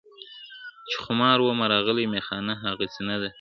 چي خمار ومه راغلی میخانه هغسي نه ده ,